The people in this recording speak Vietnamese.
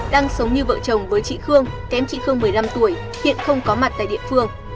đang sống như vợ chồng với chị khương kém chị khương một mươi năm tuổi hiện không có mặt tại địa phương